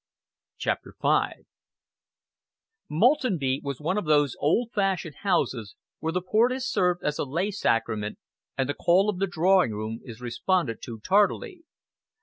CHAPTER V Maltenby was one of those old fashioned houses where the port is served as a lay sacrament and the call of the drawing room is responded to tardily.